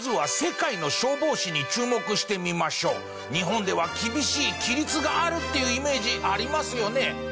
まずは日本では厳しい規律があるっていうイメージありますよね。